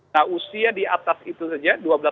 nah usia di atas itu saja